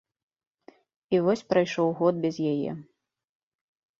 І вось прайшоў год без яе.